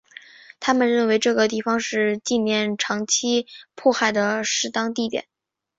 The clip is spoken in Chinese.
他们认为这个地方是纪念长期迫害的适当地点。